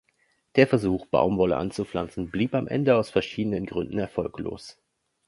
Der Versuch, Baumwolle anzupflanzen, blieb am Ende aus verschiedenen Gründen erfolglos.